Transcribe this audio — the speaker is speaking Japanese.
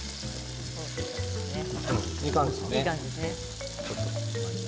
いい感じですね。